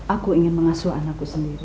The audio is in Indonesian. aku ingin mengasuh anakku sendiri